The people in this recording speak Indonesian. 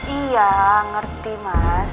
iya ngerti mas